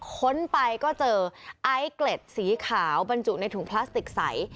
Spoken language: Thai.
ค้นไปก็เจอไอซ์เกล็ดสีขาวบรรจุในถุงพลาสติกใส